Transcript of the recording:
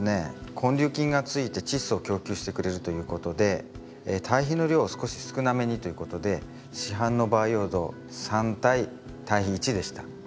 根粒菌がついてチッ素を供給してくれるということで堆肥の量を少し少なめにということで市販の培養土３対堆肥１でした。